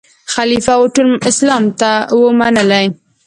خلیفه وو ټول اسلام ته وو منلی